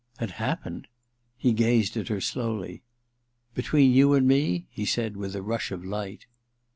* Had happened ?' He gazed at her slowly. * Between you and me ?' he said with a rush of light.